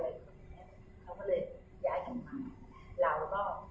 หรือเป็นอะไรที่คุณต้องการให้ดู